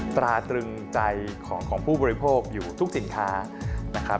ตราตรึงใจของผู้บริโภคอยู่ทุกสินค้านะครับ